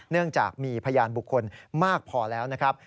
เนื่องจากมีพยานบุคคลมากพอแล้วนะครับ